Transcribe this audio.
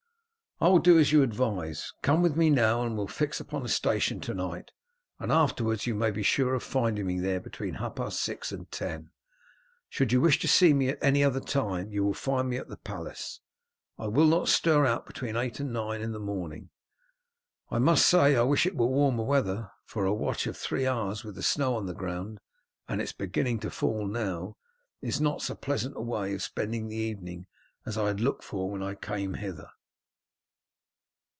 "I will do as you advise. Come with me now and we will fix upon a station to night, and afterwards you may be sure of finding me there between half past six and ten. Should you wish to see me at any other time you will find me at the palace; I will not stir out between eight and nine in the morning. I must say I wish it were warmer weather, for a watch of three hours with the snow on the ground and it is beginning to fall now is not so pleasant a way of spending the evening as I had looked for when I came hither."